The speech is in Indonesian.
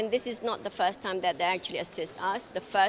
ini bukan pertama kali mereka membantu kami